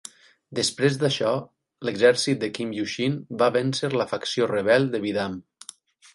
Després d'això, l'exèrcit de Kim Yushin va vèncer la facció rebel de Bidam.